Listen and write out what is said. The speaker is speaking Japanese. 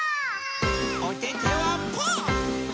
おててはパー！